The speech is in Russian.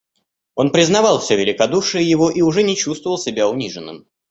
Он признавал всё великодушие его и уже не чувствовал себя униженным.